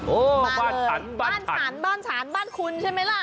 โอ้บ้านฉันบ้านฉันบ้านฉันบ้านคุณใช่ไหมล่ะพิษฎุโลก